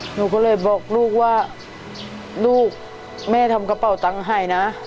หนูก็เลยบอกลูกว่าลูกแม่ทำกระเป๋าตังค์ให้นะ